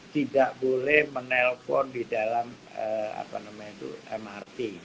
tidak boleh menelpon di dalam mrt